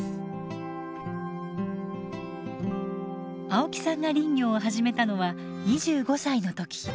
青木さんが林業を始めたのは２５歳の時。